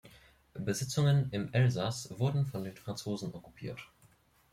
Besitzungen im Elsass wurden von den Franzosen okkupiert.